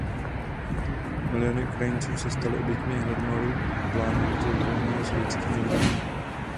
Miliony Ukrajinců se staly oběťmi hladomoru plánovitě vyvolaného sovětskými orgány.